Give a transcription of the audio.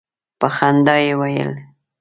په خندا یې ویل.